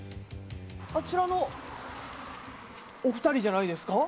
あちらのお二人じゃないですか。